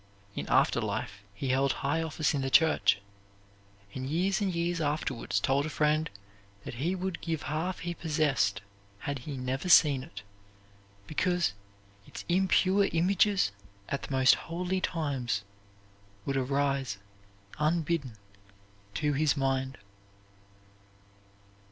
In after life he held high office in the church, and years and years afterwards told a friend that he would give half he possessed had he never seen it, because its impure images, at the most holy times, would arise unbidden to his mind.